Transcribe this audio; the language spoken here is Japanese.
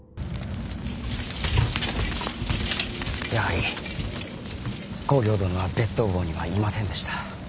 やはり公暁殿は別当房にはいませんでした。